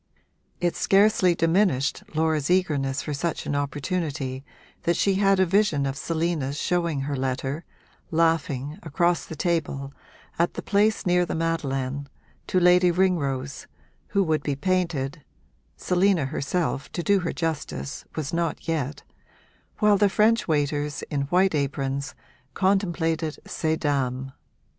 It scarcely diminished Laura's eagerness for such an opportunity that she had a vision of Selina's showing her letter, laughing, across the table, at the place near the Madeleine, to Lady Ringrose (who would be painted Selina herself, to do her justice, was not yet) while the French waiters, in white aprons, contemplated ces dames.